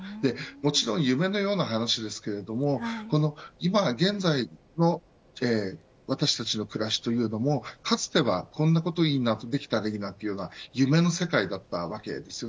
もちろん夢のような話ですが今、現在の私たちの暮らしというのもかつてはこんなことができたらいいな、というような夢の世界だったわけです。